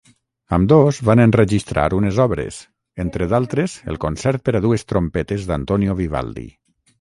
Ambdós van enregistrar unes obres, entre d'altres el concert per a dues trompetes d'Antonio Vivaldi.